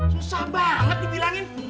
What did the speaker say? susah banget dibilangin